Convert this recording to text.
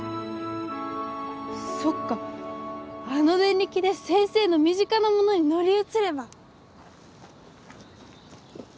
そっかあのデンリキで先生の身近なものに乗り移れば。